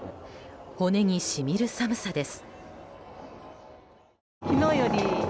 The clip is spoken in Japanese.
骨にしみる寒さです。